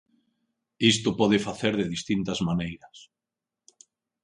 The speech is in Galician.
Isto pode facer de distintas maneiras.